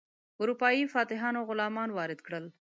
اروپایي فاتحانو غلامان وارد کړل.